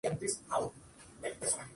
Se presenta como dímero en los eucariotas.